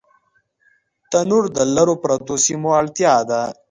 تنور د لرو پرتو سیمو اړتیا ده